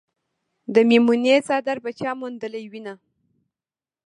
د میمونې څادر به چا موندلې وينه